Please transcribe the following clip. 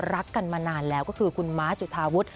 รักกันมานานแล้วก็คือคุณม้าจุธาวุฒิ